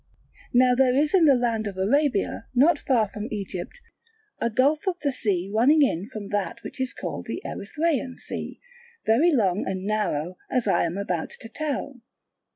Now there is in the land of Arabia, not far from Egypt, a gulf of the sea running in from that which is called the Erythraian Sea, very long and narrow, as I am about to tell.